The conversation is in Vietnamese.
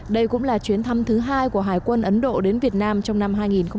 đây cũng là chuyến thăm thứ hai của hải quân ấn độ đến việt nam trong năm hai nghìn một mươi tám